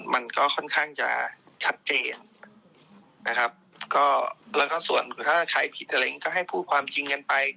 มันก็ค่อนข้างจะชัดเจนนะครับก็แล้วก็ส่วนถ้าใครผิดอะไรอย่างนี้ก็ให้พูดความจริงกันไป